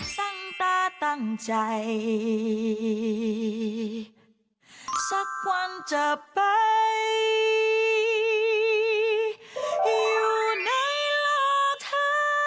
สังตาตั้งใจสักวันจะไปอยู่ในลักษณ์เธอ